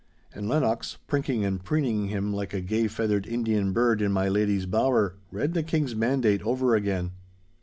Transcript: And Lennox, prinking and preening him like a gay feathered Indian bird in my lady's bower, read the King's mandate over again.